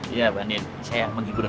iya bangin saya menghibur aja